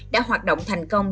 đã hoạt động thành công